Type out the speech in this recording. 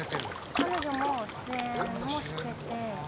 彼女も出演もしてて。